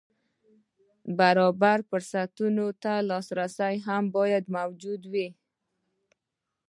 برابر فرصتونو ته لاسرسی هم باید موجود وي.